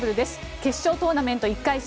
決勝トーナメント１回戦